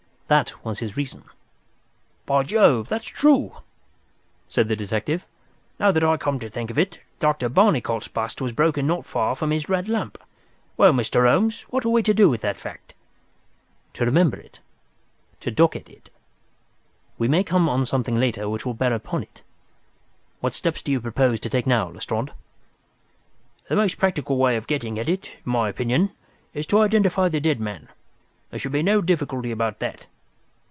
That was his reason." "By Jove! that's true," said the detective. "Now that I come to think of it, Dr. Barnicot's bust was broken not far from his red lamp. Well, Mr. Holmes, what are we to do with that fact?" "To remember it—to docket it. We may come on something later which will bear upon it. What steps do you propose to take now, Lestrade?" "The most practical way of getting at it, in my opinion, is to identify the dead man. There should be no difficulty about that.